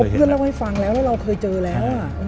เพื่อนเล่าให้ฟังแล้วแล้วเราเคยเจอแล้ว